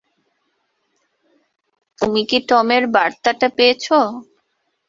তুমি কি টমের বার্তাটা পেয়েছো?